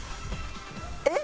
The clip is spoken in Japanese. えっ？